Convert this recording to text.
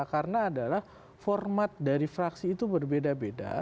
karena adalah format dari fraksi itu berbeda beda